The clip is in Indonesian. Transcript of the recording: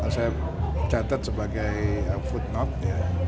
saya catat sebagai footnote